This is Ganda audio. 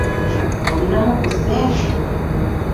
Olinamu ku ssente?